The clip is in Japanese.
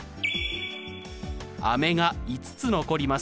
飴が５つ残ります。